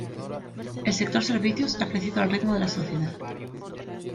El sector servicios ha crecido al ritmo de la sociedad.